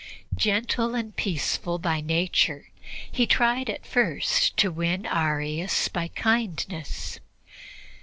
Gentle and peaceful by nature, he tried at first to win Arius by kindness.